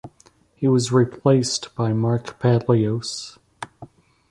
He was replaced by Mark Palios.